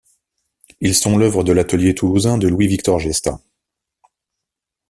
Ils sont l'œuvre de l'atelier toulousain de Louis-Victor Gesta.